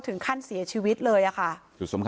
ต้องรอผลพิสูจน์จากแพทย์ก่อนนะคะ